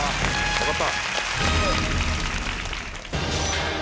よかった！